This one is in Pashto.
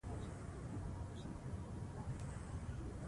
پلارجان مې مجبور شو چې ما په غېږ کې واخلي.